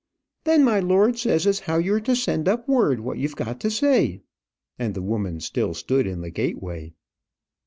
"Then my lord says as how you're to send up word what you've got to say." And the woman still stood in the gateway.